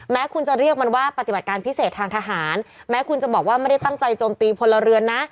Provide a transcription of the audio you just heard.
แม้คุณจะเรียกมันว่าปฏิบัติการพิเศษทางทหารแม้คุณจะบอกว่าไม่ได้ตั้งใจโจมตีพลเรือนนะ